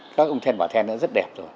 các ông then bảo then rất đẹp